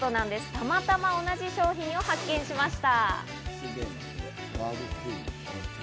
たまたま同じ商品を発見しました。